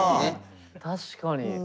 確かに。